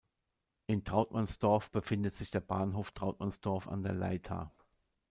In Trautmannsdorf befindet sich der Bahnhof Trautmannsdorf an der Leitha.